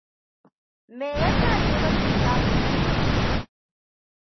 Me ya ke sa ki rashin samun lokaci?